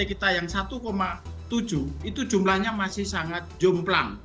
kita yang satu tujuh itu jumlahnya masih sangat jomplang